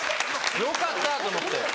よかった！と思って。